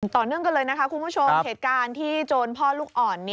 ต่อเนื่องกันเลยนะคะคุณผู้ชมเหตุการณ์ที่โจรพ่อลูกอ่อน